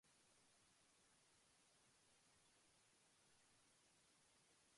Maybe we could organize a neighborhood watch or increase security measures.